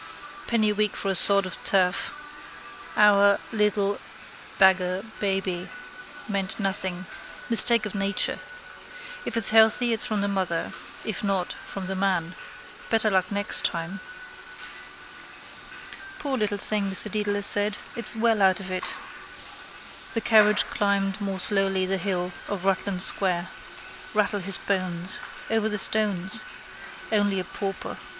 Penny a week for a sod of turf. Our. Little. Beggar. Baby. Meant nothing. Mistake of nature. If it's healthy it's from the mother. If not from the man. Better luck next time. —Poor little thing, Mr Dedalus said. It's well out of it. The carriage climbed more slowly the hill of Rutland square. Rattle his bones. Over the stones. Only a pauper.